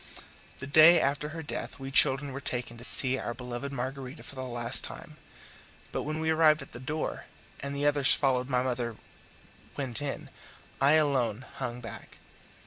The day after her death we children were taken to see our beloved Margarita for the last time; but when we arrived at the door, and the others following my mother went in, I alone hung back.